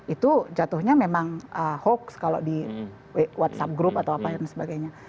itu jatuhnya memang hoax kalau di whatsapp group atau apa dan sebagainya